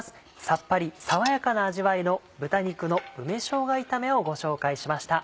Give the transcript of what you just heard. さっぱり爽やかな味わいの豚肉の梅しょうが炒めをご紹介しました。